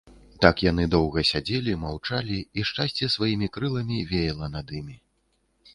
Так яны доўга сядзелі, маўчалі, і шчасце сваімі крыламі веяла над імі.